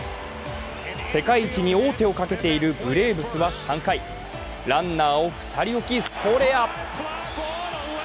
世界一に王手をかけているブレーブスは３回ランナーを２人置き、ソレア。